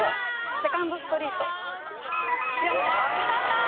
セカンドストリート？